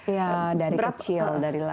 ya dari kecil dari lah